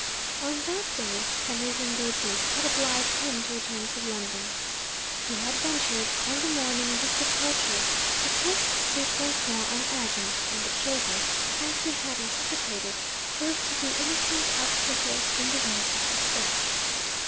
On that day, Henry's engagements had obliged him to return to London. He had ventured, on the morning of his departure, to press his suit once more on Agnes; and the children, as he had anticipated, proved to be innocent obstacles in the way of his success.